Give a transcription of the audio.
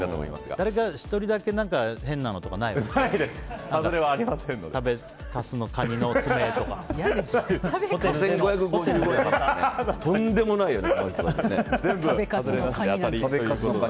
誰か１人だけ変なのとかないんだね。